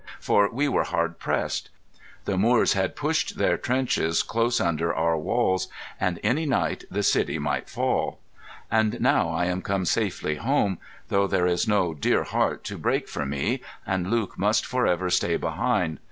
For we were hard pressed: the Moors had pushed their trenches close under our walls, and any night the city might fall. And now I am come safely home, though there is no deare heart to break for me, and Luke must for ever stay behind.